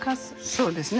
そうですね。